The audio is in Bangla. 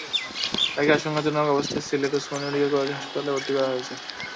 তাঁকে আশঙ্কাজনক অবস্থায় সিলেট ওসমানী মেডিকেল কলেজ হাসপাতালে ভর্তি করা হয়েছে।